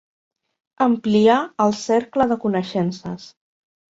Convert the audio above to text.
Ampliar el cercle de coneixences.